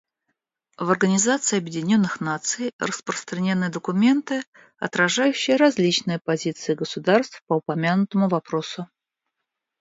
В Организации Объединенных Наций распространены документы, отражающие различные позиции государств по упомянутому вопросу.